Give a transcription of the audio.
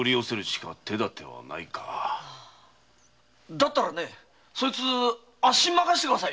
だったらそいつはあっしに任せてくださいよ。